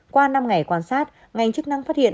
qua năm ngày quan sát ngành chức năng phát hiện